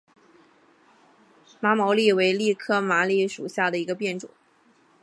毛麻楝为楝科麻楝属下的一个变种。